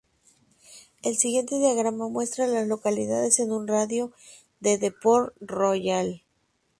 El siguiente diagrama muestra a las localidades en un radio de de Port Royal.